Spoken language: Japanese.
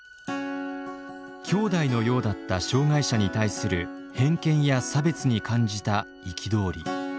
きょうだいのようだった障害者に対する偏見や差別に感じた憤り。